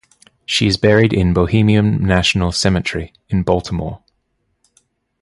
She is buried in Bohemian National Cemetery in Baltimore.